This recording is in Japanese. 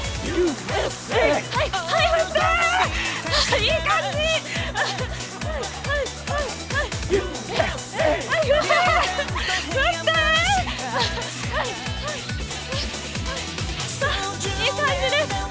いい感じです！